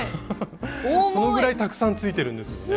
そのぐらいたくさんついてるんですよね。